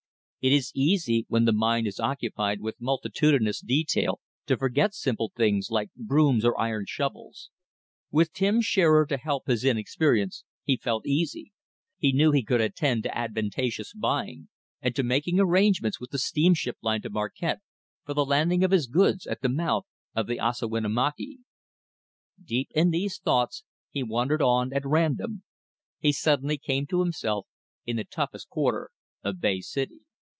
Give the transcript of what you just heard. It is easy, when the mind is occupied with multitudinous detail, to forget simple things, like brooms or iron shovels. With Tim Shearer to help his inexperience, he felt easy. He knew he could attend to advantageous buying, and to making arrangements with the steamship line to Marquette for the landing of his goods at the mouth of the Ossawinamakee. Deep in these thoughts, he wandered on at random. He suddenly came to himself in the toughest quarter of Bay City.